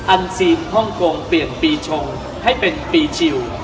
อันซีนฮ่องกงเปลี่ยนปีชงให้เป็นปีชิล